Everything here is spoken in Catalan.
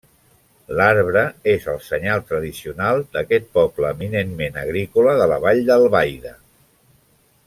L'arbre és el senyal tradicional d'aquest poble eminentment agrícola de la Vall d'Albaida.